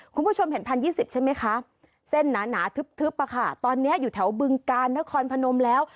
คุณผู้ชมเห็น๑๐๒๐ใช่ไหมคะเส้นหนาทึบตอนนี้อยู่แถวบึงกาลนครพนมแล้ว